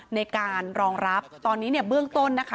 ในการรองรับตอนนี้เนี่ยเบื้องต้นนะคะ